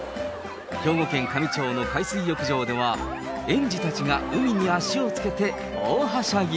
兵庫県香美町の海水浴場では、園児たちが海に足をつけて大はしゃぎ。